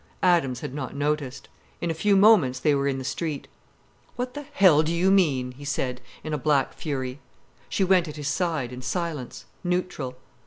Adams had not noticed. In a few moments they were in the street. "What the hell do you mean?" he said, in a black fury. She went at his side, in silence, neutral.